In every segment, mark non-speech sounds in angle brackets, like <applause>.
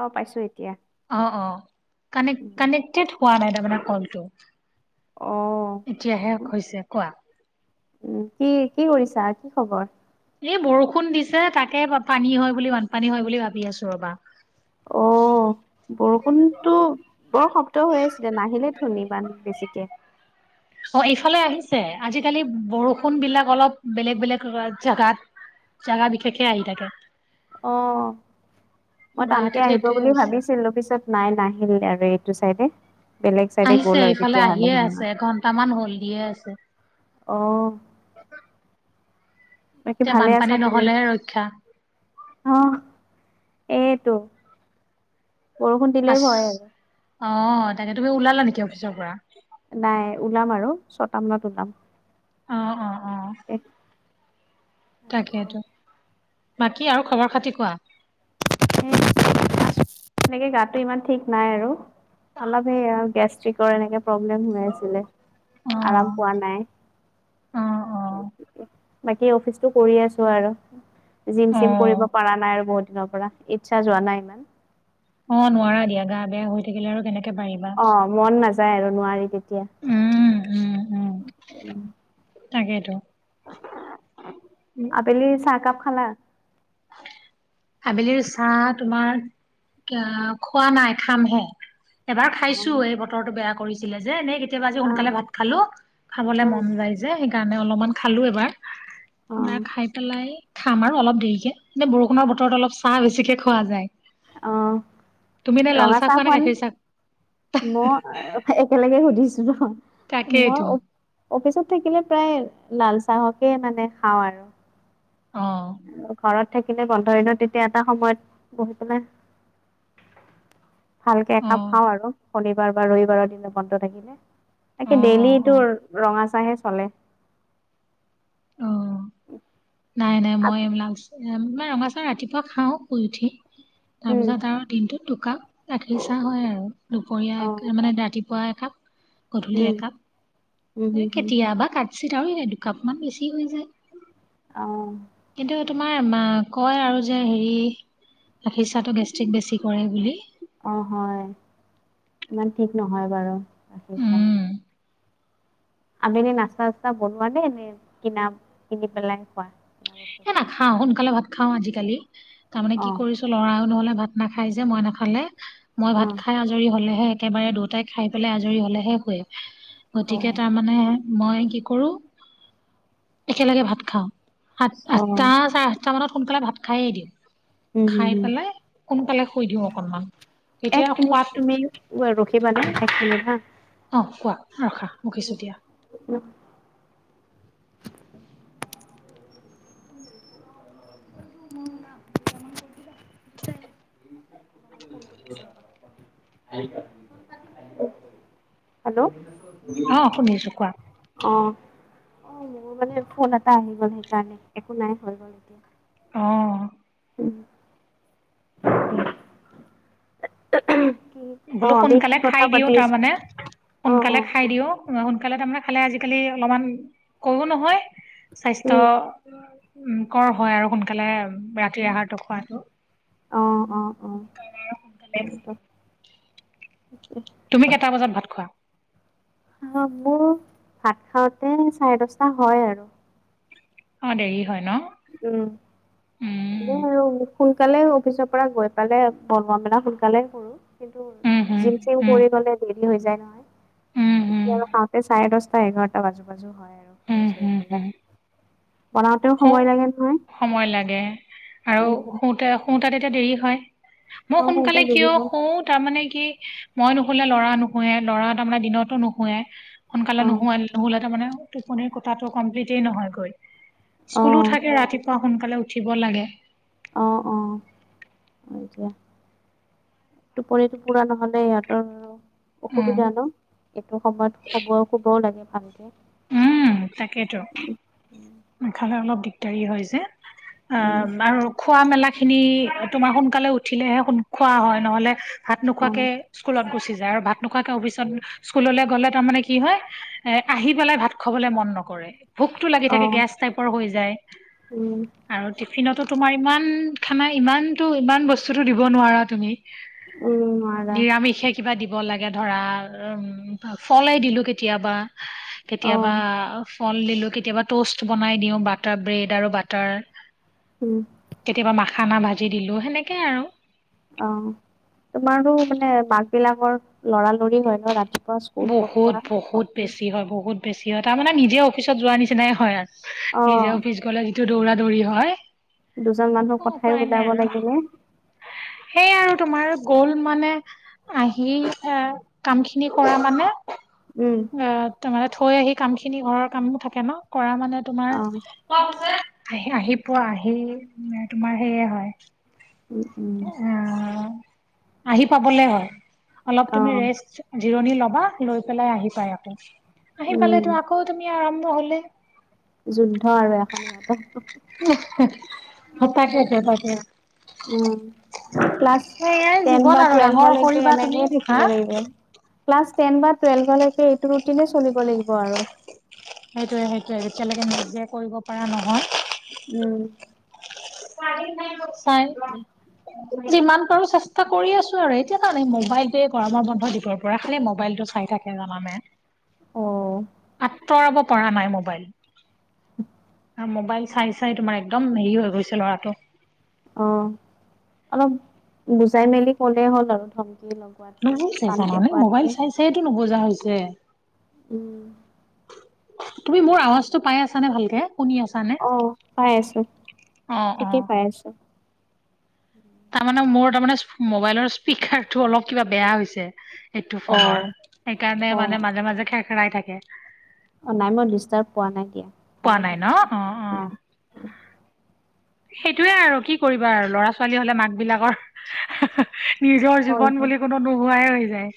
অ পাইছো এতিয়া। অঁ অঁ কানেক উম কানেক্টেড হোৱা নাই তামানে কলটো। অঁ' এতিয়াহে হৈছে কোৱা। উম' কি কি কৰিছা, কি খবৰ? এই বৰষুণ দিছে তাকে পানী হয় বুলি বানপানী হয় বুলি ভাবি আছো ৰবা। অ বৰষুণতো- বৰ শব্দ হৈ আছিলে নাহিলে থোন ইমান বেছিকে। অঁ' এইফালে আহিছে আজিকালি বৰষুণ বিলাক অলপ বেলেগ বেলেগ জেগাত- জাগা বিশেষে আহি থাকে। অঁ' মই টানকে গুৱাহাটীত আহিব সেইটোয়ে বুলি হৈছে ভাবিছিলো পিছত- নাই নাহিল আৰু এইটো চাইডে। বেলেগ চাইডে আহিছে গ'ল আৰু এইফালে তেতিয়াহ'লে আহিয়ে আছে এঘণ্টামান হ'ল দিয়ে আছে। অঁ' <unintelligible> বাকি এতিয়া ভালে বানপানী আছা তুমি? নহলেহে ৰক্ষা অঁহ' এইটো বৰষুণ দিলেই ভয় আৰু। অঁ' তাকে তুমি ওলালা নেকি অফিচৰ পৰা। নাই ওলাম আৰু ছটা মানত ওলাম। অ অ আছো তাকেইটো, বাকী আৰু খবৰ খাতি কোৱা? তেনেকে গাটো ইমান ঠিক নাই আৰু। অলপ সেই গেষ্ট্ৰিকৰ এনেকে প্ৰব্লেম হৈ আছিলে আৰাম অ পোৱা নাই। অ অ বাকী অফিচটো কৰি আছো আৰু। জিম অ চিম কৰিব পৰা নাই আৰু বহুত দিনৰ পৰা ইচ্ছা যোৱা নাই ইমান। অঁ' নোৱাৰা দিয়া, গা বেয়া হৈ থাকিলে আৰু কেনেকে পাৰিবা? অঁ' মন নাযায় আৰু নোৱাৰি তেতিয়া। উম উম উম' তাকেইতো। আবেলি চাহ কাপ খালা? আবেলিৰ চাহ তোমাৰ কে অ‍ঁ খোৱা নাই খামহে। এবাৰ অ খাইছো এই বতৰটো বেয়া কৰিছিলে যে এনেই কেতিয়াবা আজি অ সোনকালে ভাত- খালো খাবলে অ মন যায় যে সেইকাৰণে অলপমান খালো এবাৰ। নাই খাই পেলাই খাম আৰু অলপ দেৰিকে। নে বৰষুণৰ বতৰত অলপ চাহ বেছিকে খোৱা যায়? অ তুমি এনেই লাল চাহ খোৱা নে গাখীৰ চাহ- মই একেলগে সুধিছো ন, মই তাকেইতো অপ- অফিচত থাকিলে প্ৰায় লাল চাহকে মানে খাওঁ আৰু। অঁ' ঘৰত থাকিলে বন্ধ দিনত তেতিয়া এটা সময়ত বহি পেলাই- ভালকে অ একাপ খাওঁ আৰু শনিবাৰ বা ৰবিবাৰৰ দিনত বন্ধ থাকিলে। অ তাকে অ ডেইলিটো ৰঙা চাহে চলে। অ' নাই নাই মই এইবিলাক ৰঙা চাহ ৰাতিপুৱা খাওঁ শুই উঠি উম তাৰপিছত আৰু দিনটোত দুকাপ গাখীৰ চাহ হয় আৰু অ', দুপৰীয়া মানে ৰাতিপুৱা একাপ। গধূলি উম, একাপ। উম, হম, হম, কেতিয়াবা কাৎচিৎ আৰু এ দুকাপ মান বেছি হৈ যায়। অ'। কিন্তু তোমাৰ মা কয় আৰু যে হেৰি গাখীৰ চাহটো গেষ্ট্ৰিক বেছি কৰে বুলি। অ', হয় ইমান ঠিক নহয় বাৰু গাখীৰ চাহ। উম আবেলি নাস্তা চাস্তা বনোৱা নে নে কিনা কিনি পেলাই খোৱা। কিনা বস্তু এ খোৱা? নাখাওঁ সোনকালে ভাত খাওঁ আজিকালি তাৰমানে কি অ', কৰিছ ল'ৰাও নহ'লে ভাত নাখাই যে মই নাখালে মই ভাত অ', খাই আজৰি হ'লেহে একেবাৰে দুটাই খাই পেলাই আজৰি হ'লেহে শুৱে গতিকে অ', তাৰমানে মই কি কৰোঁ একেলগে ভাত খাওঁ। সাত অ', আঠটা চাৰে আঠটা মানত সোনকালে ভাত খাইে দিওঁ উম, হম, খাই হম। পেলাই সোনকালে শুই দিওঁ অকণমান। এক মিনিট তুমি ৰখিবা না এক মিনিট হা। অ', কোৱা ৰখা ৰখিছোঁ দিয়া। <inaudible> <inaudible> <unintelligible> হেল্ল' অ শুনিছো কোৱা অ'। অ', মোৰ মানে ফোন এটা আহি গ'ল সেইকাৰণে একো নাই হৈ গ'ল এতিয়া। অ'। <inaudible> কি বোলো অ', আমি সোনকালে কি কথা খাই দিওঁ পাতি আছ তাৰমানে অ', সোনকালে অ', খাই অ', দিওঁ। সোনকালে তাৰমানে খালে আজিকালি অলপমান কো নহয় স্বাস্থ্য উম, উম, কৰ হয় আৰু সোনকালে ৰাতিৰ আহাৰটো খোৱাটো। অ', অ'। অ', সে কাৰ আৰু সোনকালে এক চাই তুমি কেইটা বজাত ভাত খোৱা? অ', মোৰ ভাত খাওঁতে চাৰে দশটা হয় আৰু। অ', দেৰি হয় ন'। উম। উম এনে আৰু সোনকালে অফিচৰ পৰা গৈ পেলাই বনোৱা মেলা সোনকালে কৰোঁ। কিন্তু হুম জিম চিম উম কৰি গ'লে দে ৰি হৈ যায় উম নহয় হুম এতিয়া আৰু খাওঁতে চাৰে দশটা এঘাৰটা বাজো বাজো হয়। উম হুম হুম <unintelligible> বনাওঁতেও খুব সময় লাগে নহয়। সময় লাগে আৰু উম, শুওঁতে শুওঁতে তেতিয়া দেৰি হয়। মই অ', শুওঁতে সোনকালে কিয় দেৰি হয় শু তাৰমানে কি মই নুশুলে ল'ৰা নুশুয়ে, ল'ৰা তাৰমানে দিনতো নুশুৱে। সোনকালে <unintelligible> অ'। নহ'লে তাৰ মানে টোপনিৰ কথাটো কমপ্লিট নহয়গৈ। স্কুলো অ', থাকে ৰাতিপুৱা সোনকালে উঠিব লাগে। অ', অ', <unintelligible> টোপনিটো পুৰা নহ'লে ইহঁতৰ উম অসুবিধা ন' এইটো সময়ত <unintelligible> ব শুবও লাগে ভালকে। উম! তাকেইতো নাখালে অলপ দিগদাৰী হয় যে। উম, অঁ আৰু খোৱা মেলাখিনি তোমাৰ সোনকালে উঠিলেহে খোৱা হয় নহ'লে ভাত নোখোৱাকে অ', স্কুলত গুচি যায়। আৰু ভাত নোখোৱাকে অফিচত স্কুললৈ গ'লে তাৰমানে কি হয় এ আহি পেলাই ভাত খাবলৈ মন নকৰে। ভোকটো লাগি থাকে অ', গেছ টাইপৰ হৈ যায়। উম, আৰু টিফিনতো তোমাৰ ইমান খানা ইমানটো ইমান বস্তুতো দিব নোৱাৰা তুমি। উম, নোৱাৰা নিৰামিষে কিবা দিব লাগে ধৰা উম ফলে দিলো কেতিয়াবা। কেতিয়াবা অ', ফল দিলো, কেতিয়াবা ট'ষ্ট বনাই দিওঁ বাটাৰ, ব্ৰেড আৰু বাটাৰ। উম। কেতিয়াবা মাখানা ভাজি দিলোঁ সেনেকৈ আৰু। অঁ! আমাৰো মানে মাক বিলাকৰ লৰালৰি হয় ন ৰাতি বহুত-বহুত বেছি হয় বহুত বেছি হয়। তাৰ মানে নিজে অফিচত যোৱাৰ নিচিনাই হয়। নিজে অ', অফিচ গলে যিটো দৌৰা-দৌৰি হয়। দুজন মানুহৰ কথাই উপায় নাই ওলাব আৰু লাগিলে সেই আৰু তোমাৰ গ'ল মানে আহি এ কামখিনি কৰা মানে উম। অ! তাৰ মানে থৈ আহি কামখিনি ঘৰৰ কাম থাকে ন কৰা মানে তোমাৰ অ', আহি-আহি পোৱা আহি তোমাৰ সেইয়ে হয়। উম-উম। আহ আহি পাবলে হয়। অলপ তুমি অ', ৰেষ্ট জিৰণি ল'বা লৈ পেলাই আহি পাই আকৌ। আহি উম, পালেতো আকৌ তুমি আৰম্ভ হ'লেই। যুদ্ধ আৰু এখনেই <unintelligible> <unintelligible> অঁ! তাকে এতিয়া তাকে। উম! ক্লাছ সেয়াই টেন জীৱন বা আৰু ডাঙৰ টুৱেলভলৈকে কৰিবা তুমি এনেকেই থাকিব হা লাগিব। ক্লাছ টেন বা টুৱেলভলৈকে এইটো ৰুটিনেই চলিব লাগিব আৰু। সেইটোৱে-সেইটোৱে। যেতিয়ালৈকে নিজে কৰিব পৰা নহয় উম। <unintelligible> যিমান পাৰো চেষ্টা কৰি আছোঁ আৰু। এতিয়া চা না মোবাইলটোৱে গৰমৰ বন্ধ দিব পৰা খালি মোবাইলটো চাই থাক থাকে জানানে। অ! আঁতৰাব পৰা নাই মোবাইল। <unintelligible> মোবাইল চাই-চাই তোমাৰ একদম হেৰি হৈ গৈছে ল'ৰাটো। অঁ! অলপ বুজাই মেলি ক'লেই হ'ল আৰু ধমকিৰ লগত। নুবুজে জানানে? মোবাইল চাই চাইয়েটো নুবুজা হৈছে। উম। তুমি মোৰ আৱাজটো পাই আছা নে ভালকে? শুনি আছ অঁ! পাই আছোঁ। অ অ ঠিকে পাই আছোঁ। তাৰমানে মোৰ তাৰ মানে মোবাইলৰ স্পীকাৰটো অলপ কিবা বেয়া হৈছে। এইটো ফোনৰ। অ', সেইকাৰণে অ', মানে মাজে-মাজে খেৰ-খেৰাই থাকে। অঁ নাই মই ডিষ্টাৰ্ব পোৱা নাই দিয়া। পোৱা ভালেই নাই ন শুনিছোঁ অ নাই। সেইটোৱেই আৰু কি কৰিবা আৰু। ল'ৰা-ছোৱালী হ'লে মাক বিলাকৰ নিজৰ হয়, জীৱন হয় বুলি কোনো নোহোৱাই হৈ যায়।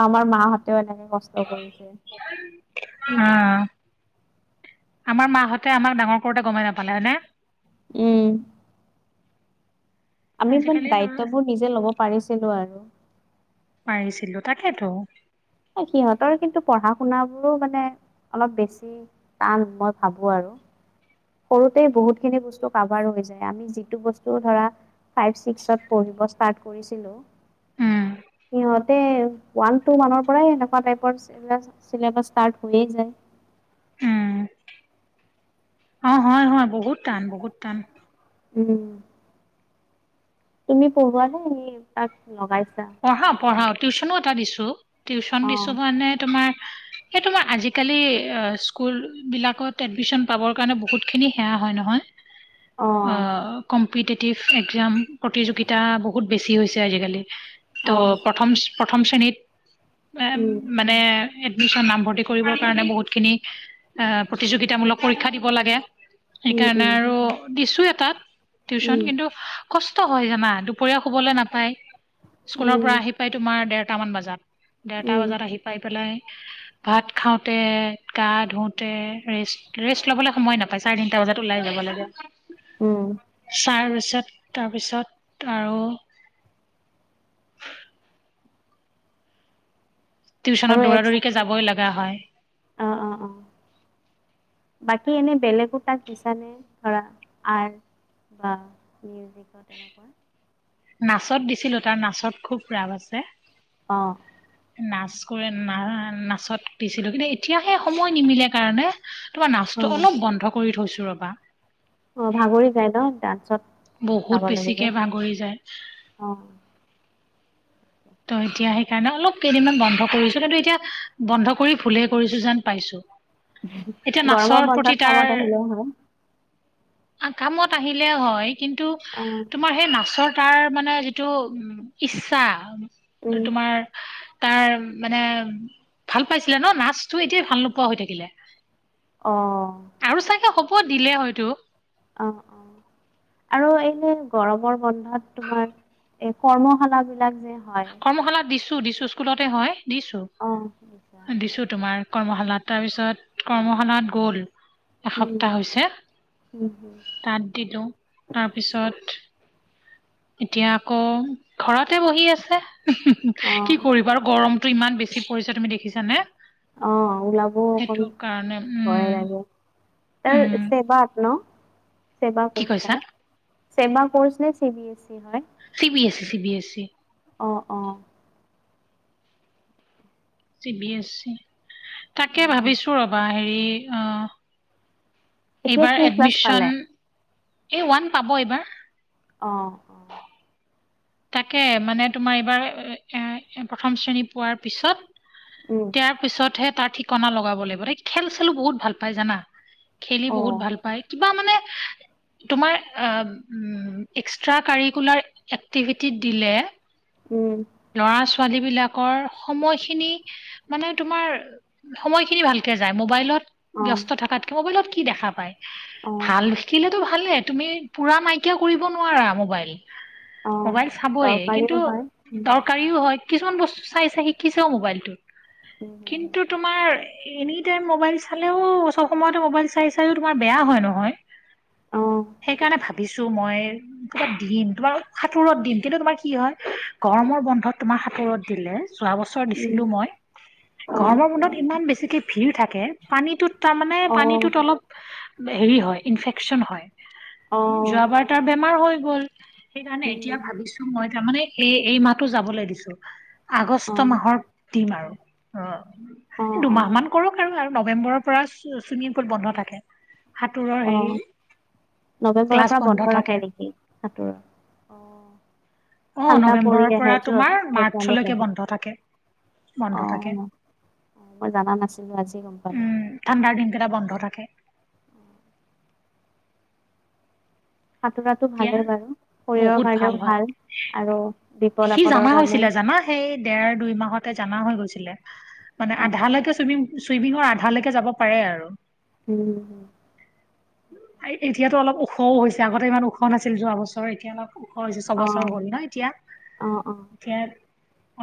আমাৰ মা হঁতেও এনেকে কষ্ট কৰিছে। অ আমাৰ মাহঁতে আমাক ডাঙৰ কৰোঁতে গমেই নাপালে হয়নে? উম আমি ইমান আজিকালি ল'ৰা দায়িত্ববোৰ নিজে লব পাৰিছিলো আৰু। পাৰিছিলো, তাকেতো। অ', সিহঁতৰ কিন্তু পঢ়া শুনা বোৰো মানে, অলপ বেছি। টান, মই ভাবো আৰু। সৰুতেই বহুতখিনি বস্তু কাভাৰ হৈ যায়, আমি যিটো বস্তু ধৰা ফাইভ, ছিক্সত পঢ়িব ষ্টাৰ্ট কৰিছিলোঁ উম সিহঁতে ওৱান, টু মানৰ পৰাই এনেকুৱা টাইপৰ চিলেবাচ ষ্টাৰ্ট হৈয়ে যায়। উম, অ হয়, হয়, বহুত টান, বহুত টান। উম তুমি পঢ়োৱা নে তাক লগাইছা? পঢ়াওঁ, পঢ়াওঁ, টিউচনো এটা দিছোঁ। টিউচন অ দিছো মানে তোমাৰ সেইটো মই আজিকালি স্কুলবিলাকত এডমিশন পাবৰ কাৰণে বহুতখিনি সেৱা হয় নহয়। অ', কম পিটিটিভ একজাম, প্ৰতিযোগিতা বহুত বেছি হৈছে আজিকালি। অ ত' প্ৰথম প্ৰথম শ্ৰেণীত, এ উম মা নে, এডমিশন নামভৰ্তি কৰিবৰ কাৰণে বহুত খিনি অ, প্ৰতিযোগিতামূলক পৰীক্ষা দিব লাগে উম সেইকাৰণে উম আৰু দিছো এটাত, টিউচন, উম কিন্তু কষ্ট হয় জানা, দুপৰীয়া শুবলৈ নাপায়। স্কুলৰ পৰা উম আহি পায় তোমাৰ দেৰটা মান বজাত, দেৰটা উম বজাত আহি পাই পেলাই ভাত খাওঁতে, গা ধুওতে, ৰেষ্ট, ৰেষ্ট ল'বলৈ সময়ে নাপ চাৰে তিনিটা বজাত ওলাই যাব লাগে। উম চাৰ বিছত, তাৰপিছত আৰু আৰু টিউশ্যনত দৌৰা এক্স দৌৰিকৈ যাবই লাগা হয়। অ, অ, অ। বাকী এনেই বেলেগো তাক দিছানে, ধৰা আৰ্ট বা মিউজিকত এনেকুৱা নাচত দিছিলো, তাৰ নাচত খুব ৰাপ আছে। অ' নাচ কৰে, না নাচত দিছিলো। কিন্তু এতিয়া সে সময় নিমিলে কাৰণে তোমাৰ নাচটো অ' অলপ বন্ধ কৰি থৈছো ৰবা অ, ভাগৰি যায় ন ডান্সত? যাব বহুত লাগিলে বেছিকে ভাগৰি যায়। অ' ত' এতিয়া সেইকাৰণে অলপ কেইদিনমান বন্ধ কৰিছোঁ, কিন্তু এতিয়া বন্ধ কৰি ভুলে কৰিছোঁ যেন পাইছো। এতিয়া গৰমৰ নাচৰ বন্ধত প্ৰতি তাৰ কামত আহিলে হয় আ, কামত আহিলে হয়, কিন্তু অ' তোমাৰ সেই নাচৰ তাৰ মানে যিটো উ ইচ্ছা, উম তোমাৰ তাৰ মানে ভাল পাইছিলে ন নাচটো এতিয়া ভাল নোপোৱা হৈ থাকিলে অ আৰু চাগে হব দিলে হয়তো অ অ আৰু এই গৰমৰ বন্ধত তোমাৰ এ কৰ্মশালা বিলাক যে হয় কৰ্মশালা দিছোঁ দিছোঁ, স্কুলতে হয় দিছোঁ অ' দিছা দিছোঁ তোমাৰ কৰ্মশালাত তাৰপিছত কৰ্মশালাত গ'ল উম উম এসপ্তাহ হৈছে উম হুম, তাত দিলোঁ, তাৰপিছত এতিয়া আকৌ ঘৰতে বহি আছে, কি অ' কৰিব আৰু গৰম টো ইমান বেছি পৰিছে তুমি দেখিছানে? অ ওলাবও অকণ সেইটো কাৰণে ভয় উম লাগে, তাৰ উম চেবাত ন? ছেবা কি ক্ৰচ কৈছা তাৰ, ছেবা ক্ৰচ নে চি বি এ ছি হয়? C B S C, C B S C অ অ চি বি এছ চি তাকে উম। ভাবিছোঁ ৰ'বা হেৰি অ এতিয়া এইবাৰ কোন ক্লাছ পালে? এডমিশন, সি ওৱান পাব এইবাৰ অ অ'। তাকে মানে তোমাৰ এইবাৰ এ এ প্ৰথম শ্ৰেণী পোৱাৰ পিছত উম ইয়াৰ পিছতহে তাৰ ঠিকনা লগাব লাগিব তাই খেল-চেলো বহুত ভাল পাই জানা খেলি বহুত অ', ভাল পায় কিবা মানে তোমাৰ আ এক্সট্ৰা কাৰিকুলাৰ টিভিভিটিত দিলে উম ল'ৰা-ছোৱালী বিলাকৰ সময়খিনি মানে তোমাৰ সময়খিনি ভালকে যায় মোবাইলত অ', ব্যস্ত থকাতকে মোবাইলত কি দেখা পাই অ', ভাল দেখিলে টো ভালেই তুমি পুৰা নাইকিয়া কৰিব নোৱাৰা মোবাইল অ'। মোবাইল চাবয়ে কিন্তু দৰকাৰীও হয়। উম, দৰকাৰীও হয় কিছুমান বস্তু চাই চাই শিকিছেও মোবাইলটোত উম, হুম, হুম। কিন্তু তো তোমাৰ এনি টাইম মবাইল চালেও চব সময়তে মবাইল চাই চাইও তোমাৰ বেয়া হয় নহয় অ', সেইকাৰণে ভাব বিছো মই দিমটো বাৰু সাঁতুৰত দিম কিন্তু তোমাৰ কি হয় গৰমৰ বন্ধত তোমাৰ সাঁতুৰত দিলে যোৱা বছৰ উম, দিছিলোঁ মই অ', গৰমৰ বন্ধত ইমান বেছিকে ভিৰ থাকে পানীটোত তাৰমানে অ', পানীটোত অলপ হেৰি হয় ইনফেকচন হয় অ', যোৱাবাৰ তাৰ বেমাৰ হৈ গ'ল সেইকাৰণে এতিয়া উম, ভাবিছো মই তাৰমানে এই এই মাহটো যাবলৈ দিছো। আগষ্ট অ', মাহৰ দিম আৰু অ দুমাহ মান কৰক আৰু নৱেম্বৰৰ পৰা চু চুইমিং পুল বন্ধ থাকে। সাঁতোৰৰ অ হেৰি নৱেম্বৰৰ ক্লাছ পৰা বন্ধ থাকে ৰাখে নেকি সাঁতোৰৰ অ অ ঠাণ্ডা পৰি নৱেম্বৰৰ আহে পৰা য'ত তোমাৰ সেইকাৰণে মাৰ্চলৈকে চাগে, বন্ধ থাকে, বন্ধ থাকে। অ'। মই জানা নাছিলো আজি গম পালো উম ঠাণ্ডাৰ দিনকেইটা বন্ধ থাকে। সাঁতোৰাটো এতিয়া ভালেই বাৰু শৰীৰৰ বহুত কাৰণেও হয় ভাল আৰু বিপদ সি আপদৰ জানা কাৰণেও হৈছিলে জানা সেই দেৰ দুই মাহতে জানা হৈ গৈছিলে মানে অ আধালৈকে চুইমিং চুইমিঙৰ আধালৈকে যাব পাৰে আৰু। উম। এতিয়াতো অলপ ওখও হৈছে আগতে ইমান ওখ নাছিল যোৱা বছৰ। এতিয়া অলপ ওখ হৈছে অ ছয়বছৰ হ'ল ন এতিয়া। অ অ এতিয়া